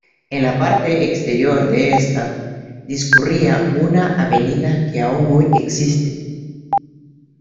En la parte exterior de esta, discurría una avenida que aún hoy existe.